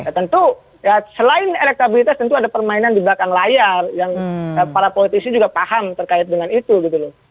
tentu ya selain elektabilitas tentu ada permainan di belakang layar yang para politisi juga paham terkait dengan itu gitu loh